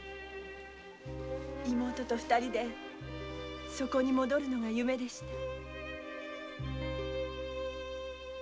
妹と二人でそこに戻るのが夢でした。